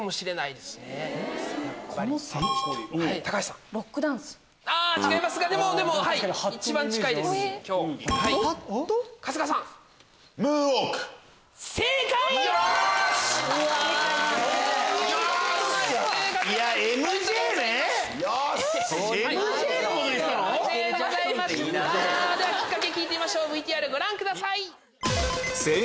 ではキッカケ聞いてみましょうＶＴＲご覧ください。